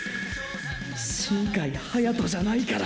新開隼人じゃないから！！